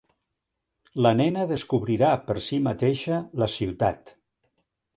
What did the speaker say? La nena descobrirà per si mateixa la ciutat.